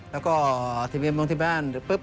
แล้วก็ทีเบียนบางที่บ้าน